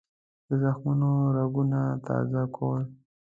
د زخمونو زنګونه تازه کول.